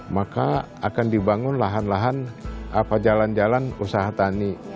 maka akan dibangun jalan jalan usaha tani